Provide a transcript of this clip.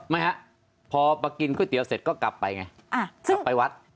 ไม่ฮะพอมากินก๋วยเตี๋ยวเสร็จก็กลับไปไงกลับไปวัด